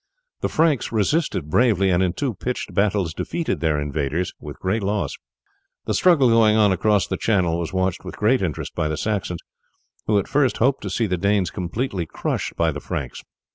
The Franks resisted bravely, and in two pitched battles defeated their invaders with great loss. The struggle going on across the Channel was watched with great interest by the Saxons, who at first hoped to see the Danes completely crushed by the Franks.